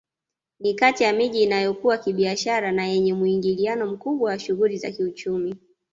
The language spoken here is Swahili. Ni kati ya miji inayokua kibiashara na yenye muingiliano mkubwa wa shughuli za kiuchumi